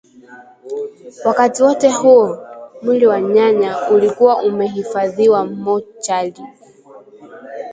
Wakati wote huo, mwili wa nyanya ulikuwa umehifadhiwa mochari